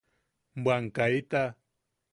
¡¡Bwan kaita!